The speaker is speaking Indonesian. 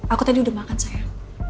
aku tadi udah makan saya